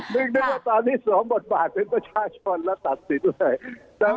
นึกนึกว่าตอนนี้สวมบทบาทเป็นประชาชนและศัตริศเลย